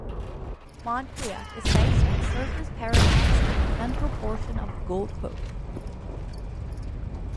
Moncrieff is based on Surfers Paradise and the central portion of the Gold Coast.